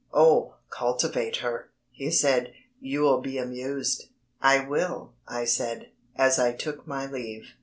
"Oh, cultivate her," he said; "you will be amused." "I will," I said, as I took my leave.